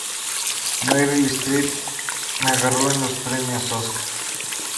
Meryl Streep me agarró en los Premios Óscar.